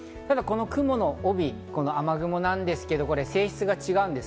ただこの雲の帯、雨雲なんですけれども、性質が違うんです。